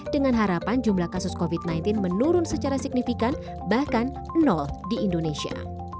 dengan harapan jumlah kasus covid sembilan belas menurun secara signifikan bahkan nol di indonesia